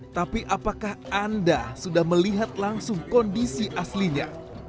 tapi apakah anda sudah melihat langsung kondisi aslinya